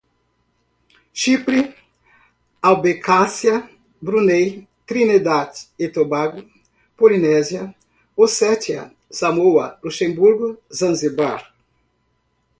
Chipre, Abecásia, Brunei, Trinidad e Tobago, Polinésia, Ossétia, Samoa, Luxemburgo, Zanzibar